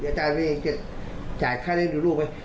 และได้มีความคิดจะจ่ายแค่ให้มีลูกไหม